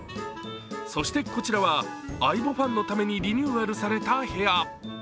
そしてこちらはａｉｂｏファンのためにリニューアルされた部屋。